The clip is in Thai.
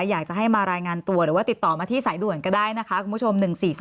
อยากจะให้มารายงานตัวหรือว่าติดต่อมาที่สายด่วนก็ได้นะคะคุณผู้ชม๑๔๒